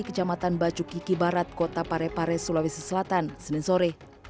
kecamatan bacu kiki barat kota parepare sulawesi selatan senin sore